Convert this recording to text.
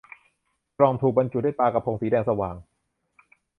กล่องถูกบรรจุด้วยปลากะพงสีแดงสว่าง